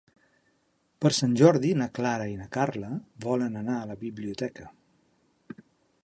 Per Sant Jordi na Clara i na Carla volen anar a la biblioteca.